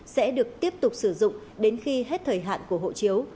sẽ được tiếp tục sử dụng đến khi hết thời hạn của hộ chiếu